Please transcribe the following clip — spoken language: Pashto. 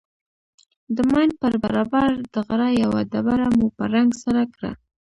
د ماين پر برابر د غره يوه ډبره مو په رنگ سره کړه.